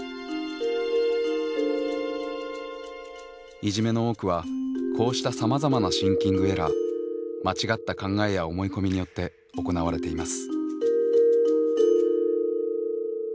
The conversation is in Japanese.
いじめの多くはこうしたさまざまなシンキングエラー間違った考えや思い込みによって行われています。